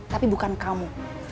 tapi bukan kamu